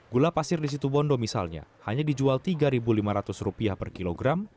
gula pasir di situ bondo misalnya hanya dijual rp tiga lima ratus per kilogram